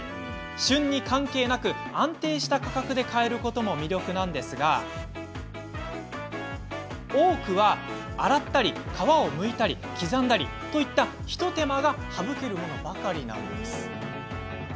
旬に関係なく安定した価格で買えることも魅力ですが多くは洗ったり皮をむいたり、刻んだりといった一手間が省けるものばかり。